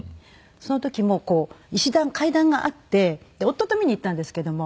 その時も石段階段があってで夫と見に行ったんですけども。